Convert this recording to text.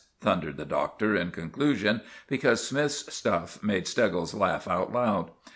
thundered the Doctor in conclusion; because Smythe's stuff made Steggles laugh out loud.